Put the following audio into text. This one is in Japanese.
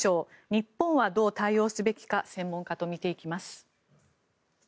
日本はどう対応すべきか専門家と見ていきます。